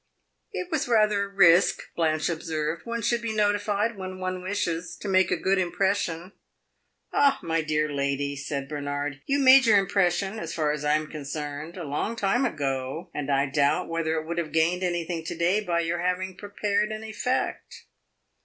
"It was rather a risk," Blanche observed. "One should be notified, when one wishes to make a good impression." "Ah, my dear lady," said Bernard, "you made your impression as far as I am concerned a long time ago, and I doubt whether it would have gained anything to day by your having prepared an effect."